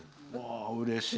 うれしい。